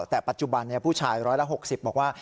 แต่ปัจจุบันผู้ชายร้อยละ๖๐บอกว่า